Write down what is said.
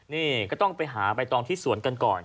นี่ก็ต้องไปหาใบตองที่สวนกันก่อน